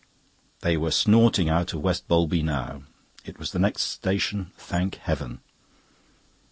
They were snorting out of West Bowlby now. It was the next station, thank Heaven.